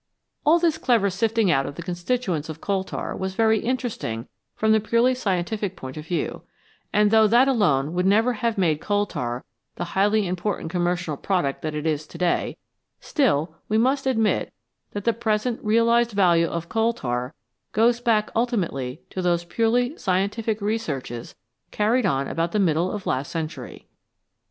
All this clever sifting out of the constituents of coal tar was very interesting from the purely scientific point of view, and though that alone would never have made coal tar the highly important commercial product that it is to day, still we must admit that the present realised value of coal tar goes back ultimately to those purely scientific researches carried on about the middle of last century.